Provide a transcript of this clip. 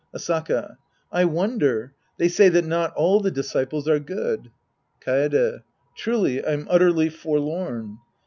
Asaka. I wonder. They say that not all the dis ciples are good. Kaede. Truly I'm utterly forlorn.